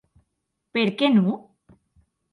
Per qué non?